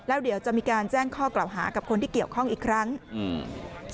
แล้วเดี๋ยวจะมีการแจ้งข้อกล่าวหากับคนที่เกี่ยวข้องอีกครั้งอืม